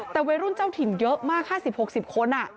แต่วัยรุ่นเจ้าถิ่นเยอะมาก๕๐๖๐คน